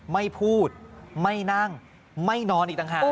ไม่พูดไม่นั่งไม่นอนอีกต่างหาก